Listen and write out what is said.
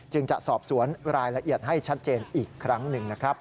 จะสอบสวนรายละเอียดให้ชัดเจนอีกครั้งหนึ่งนะครับ